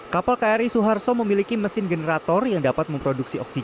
kapal kri suharto memiliki mesin generator yang dapat memproduksi oksigen